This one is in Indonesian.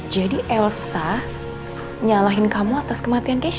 jadi elsa nyalahin kamu atas kematian keisha